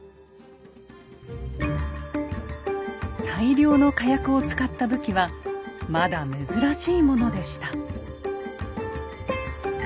大量の火薬を使った武器はまだ珍しいものでした。